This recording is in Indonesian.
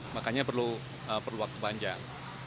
makanya perlu waktu panjang